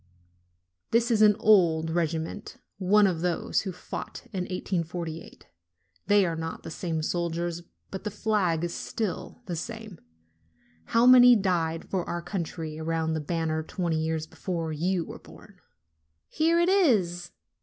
This is an old regiment, one of those which fought in 1848. They are not the same soldiers, but the flag is still the same. How many died for our country around that banner twenty years before you were born!" "Here it is!"